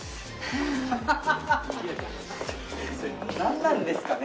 ハハハ！何なんですかね